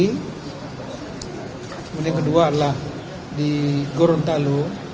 kemudian yang kedua adalah di gorontalo